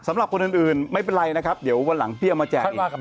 สำหรับคนอื่นไม่เป็นไรนะครับเดี๋ยววันหลังพี่เอามาแจกอีก